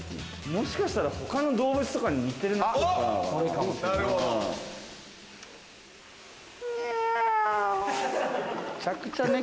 もしかしたら他の動物とかに似てるのかな？